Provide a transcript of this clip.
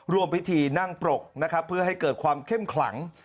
ร่วมพิธีนั่งปรกนะครับเพื่อให้เกิดความเข้มขลัง